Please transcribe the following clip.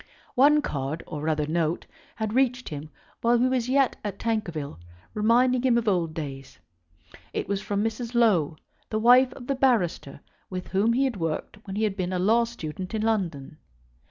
One card, or rather note, had reached him while he was yet at Tankerville, reminding him of old days. It was from Mrs. Low, the wife of the barrister with whom he had worked when he had been a law student in London.